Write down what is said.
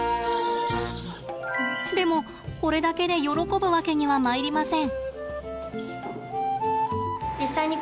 でもこれだけで喜ぶわけにはまいりません。